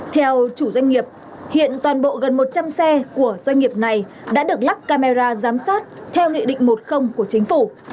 theo chủ doanh nghiệp hiện toàn bộ gần một trăm linh xe của doanh nghiệp này đã được lắp camera giám sát theo nghị định một của chính phủ